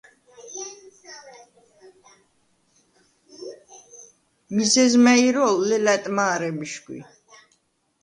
მიზეზ მა̈ჲ ირო̄ლ, ლელა̈ტ მა̄რე მიშგვი!